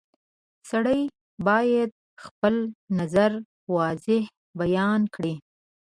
• سړی باید خپل نظر واضح بیان کړي.